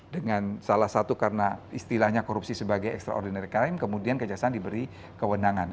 dengan salah satu karena istilahnya korupsi sebagai extraordinary crime kemudian kejaksaan diberi kewenangan